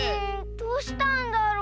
どうしたんだろう。